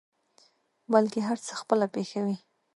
بلکې هر څه خپله پېښوي.